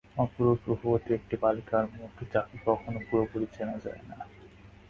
অপরুপ রুপবতী একটি বালিকার মুখ, যাকে কখনো পুরোপুরি চেনা যায় না।